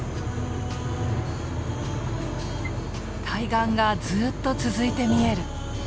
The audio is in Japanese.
対岸がずっと続いて見える。